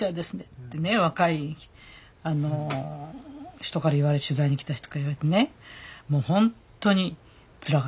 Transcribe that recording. ってね若い人から取材に来た人から言われてねもうほんとにつらかったと。